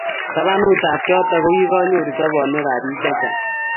tabanutab choto ko kinyaryo sobonwekab biik che chang'